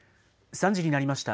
３時になりました。